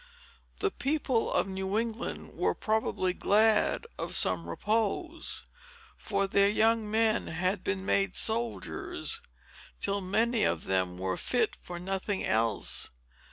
The people of New England were probably glad of some repose; for their young men had been made soldiers, till many of them were fit for nothing else.